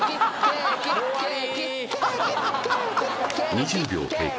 ２０秒経過